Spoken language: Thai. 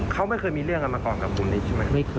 เขาไม่เคยมีเรื่องกันมาก่อนกับกลุ่มนี้ใช่ไหม